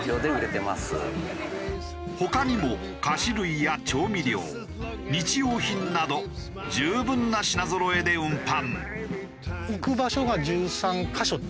他にも菓子類や調味料日用品など十分な品ぞろえで運搬。